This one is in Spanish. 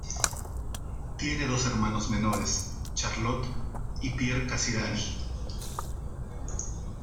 Tiene dos hermanos menores, Charlotte y Pierre Casiraghi.